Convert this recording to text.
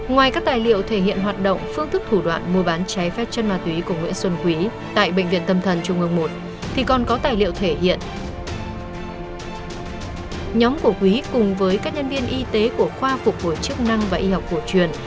ngoài các tài liệu thể hiện hoạt động phương thức thủ đoạn mua bán trái phép chất ma túy nguyễn thị minh huệ là điều dưỡng viên khoa phục hồi chức năng và y học cổ truyền